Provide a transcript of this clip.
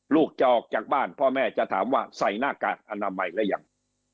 ลูกจะออกจากบ้านพ่อแม่จะถามว่าใส่หน้ากากอนามัยหรือยัง